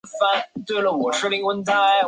表示上榜中粗体表示冠军歌